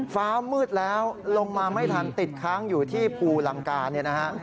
ฟ้ามืดแล้วลงมาไม่ทันติดค้างอยู่ที่ภูลังกาเนี่ยนะฮะ